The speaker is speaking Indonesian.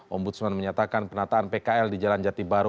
om budsman menyatakan penataan pkl di jalan jati baru